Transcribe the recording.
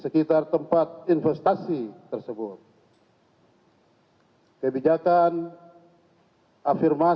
kita tetap ingin menganggarkan far nur